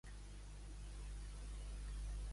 Avui som aquí per parlar de la independència de Catalunya